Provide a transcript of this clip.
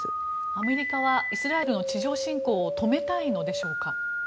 アメリカはイスラエルの地上侵攻を止めたいのでしょうか。